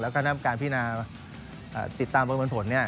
แถมการพี่นาติดตามระวังผล